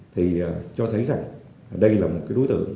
thì cho thấy rằng đây là một đối tượng